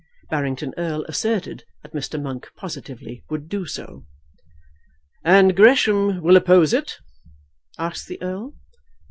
Barrington Erle asserted that Mr. Monk positively would do so. "And Gresham will oppose it?" asked the Earl.